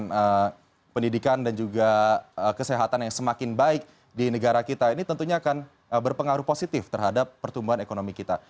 kemudian pendidikan dan juga kesehatan yang semakin baik di negara kita ini tentunya akan berpengaruh positif terhadap pertumbuhan ekonomi kita